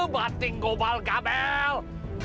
batik ngobal gabel